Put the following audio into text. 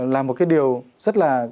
là một cái điều rất là